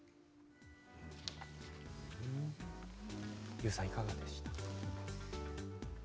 ＹＯＵさん、いかがですか。